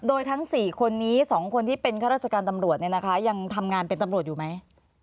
โดยทั้ง๔คนนี้๒คนที่เป็นข้าราชการตำรวจเนี่ยนะคะยังทำงานเป็นตำรวจอยู่ไหม